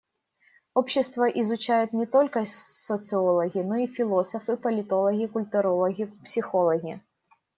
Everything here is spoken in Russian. Общество изучают не только социологи, но и философы, политологи, культурологи, психологи.